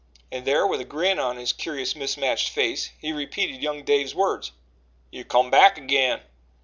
And there, with a grin on his curious mismatched face, he repeated young Dave's words: "You've come back agin."